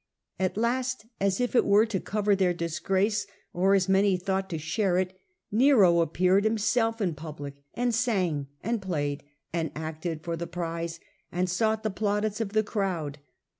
At last^ as if it were to cover their disgrace — or, as many thought, to share it — Nero appeared himself in public, ^ 1 1 ^ and sang and played and acted for the prize, and sought the plaudits of the crowd.